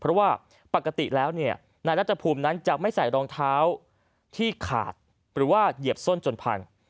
เพราะว่าปกติแล้วเนี่ยนายรัฐภูมินั้นจะไม่ใส่รองเท้าที่ขาดหรือว่าเหยียบส้นจนพัง